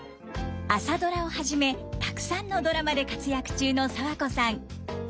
「朝ドラ」をはじめたくさんのドラマで活躍中の爽子さん。